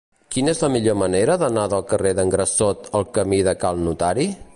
Quina és la millor manera d'anar del carrer d'en Grassot al camí de Cal Notari?